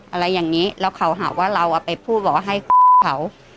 อะไรอย่างนี้แล้วเขาหาว่าเราเอาไปพูดบอกว่าให้เขา